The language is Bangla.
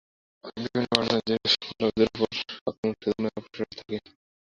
বিভিন্ন ঘটনার জের ধরে সংখ্যালঘুদের ওপর আক্রমণের সুযোগ নেওয়ার অপপ্রয়াস থাকে।